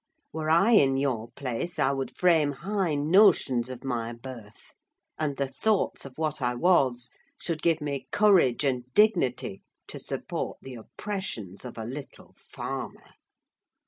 Were I in your place, I would frame high notions of my birth; and the thoughts of what I was should give me courage and dignity to support the oppressions of a little farmer!"